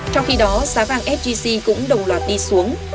trong khi đó giá vàng sgc cũng đồng loạt đi xuống